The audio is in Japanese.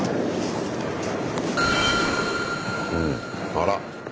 あら。